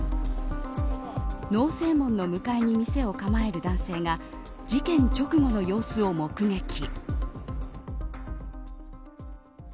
農正門の向かいに店を構える男性が事件直後の様子を目撃。